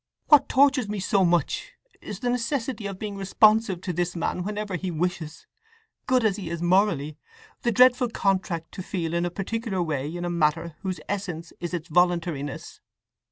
… What tortures me so much is the necessity of being responsive to this man whenever he wishes, good as he is morally!—the dreadful contract to feel in a particular way in a matter whose essence is its voluntariness!